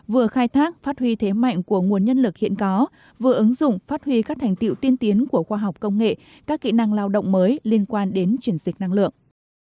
vừa khai thác phát huy thế mạnh của nguồn nhân lực hiện có vừa ứng dụng phát huy các thành tiệu tiên tiến của khoa học công nghệ các kỹ năng lao động mới liên quan đến chuyển dịch năng lượng